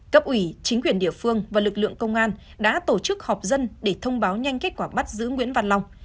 cấp ủy chính quyền địa phương và lực lượng công an đã tổ chức họp dân để thông báo nhanh kết quả bắt giữ nguyễn văn long